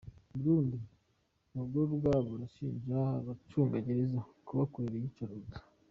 Burundi: Abagororwa barashinja abacunga gereza kubakorera iyicarubozo.